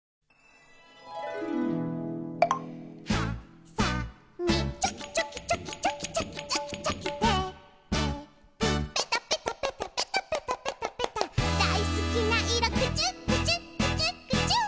「はさみチョキチョキチョキチョキチョキチョキチョキ」「テープペタペタペタペタペタペタペタ」「だいすきないろクチュクチュクチュクチュ」